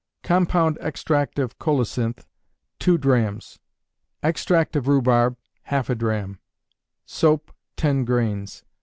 Compound extract of colocynth, 2 drachms; extract of rhubarb, half a drachm; soap, 10 grains.